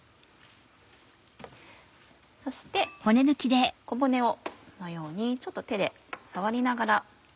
そして小骨をこのようにちょっと手で触りながら。